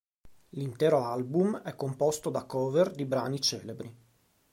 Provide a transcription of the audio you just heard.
L'intero album è composto da cover di brani celebri.